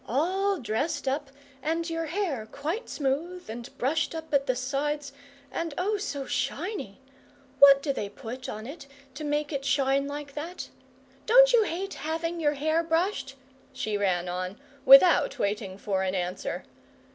All dressed up, and your hair quite smooth, and brushed up at the sides, and oh, so shiny! What do they put on it to make it shine like that? Don't you hate having your hair brushed?" she ran on, without waiting for an answer.